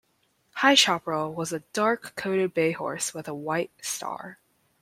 High Chaparral was a dark-coated bay horse with a white star.